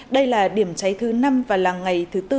đây là điểm cháy thứ năm và là ngày thứ tư